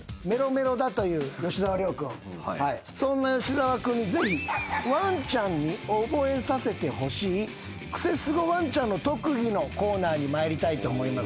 そんな吉沢君にぜひわんちゃんに覚えさせてほしいクセスゴわんちゃんの特技のコーナーに参りたいと思います。